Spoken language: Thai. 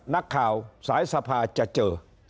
นักข่าวสายสภาจะเจอ